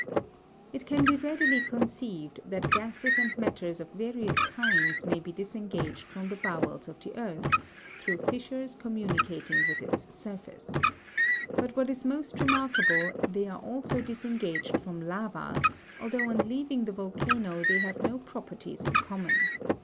It can be readily conceived that gases and matters of various kinds may be disengaged from the bowels of the earth, through fissures communicating with its surface ; but what is most remarkable, they are also disengaged from lavas, although on leaving the volcano they have no properties in common.